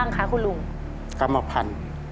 กรรมพันธ์